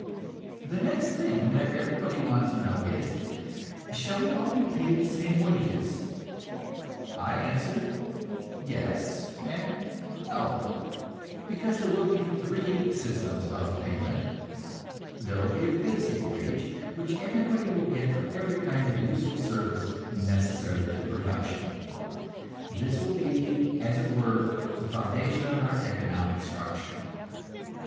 The next thing that everybody wants to know is, "Shall we all be paid the same wages?" I answer, yes and no, because there will be three systems of payment. There will be a basic wage, which everybody will get for every kind of useful service necessary to production; this will be, as it were, the foundation of our economic structure.